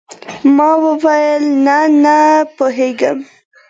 ما وويل نه نه پوهېږم.